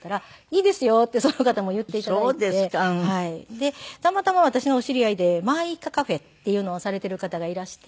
でたまたま私のお知り合いでまあいいかｃａｆｅっていうのをされている方がいらして。